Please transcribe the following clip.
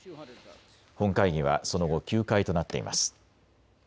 本会議はその後、休会となっています。